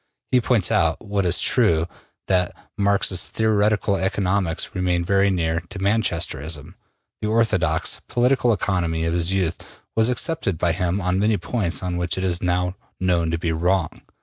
He points out (what is true) that Marx's theoretical economics remain very near to Manchesterism: the orthodox political economy of his youth was accepted by him on many points on which it is now known to be wrong.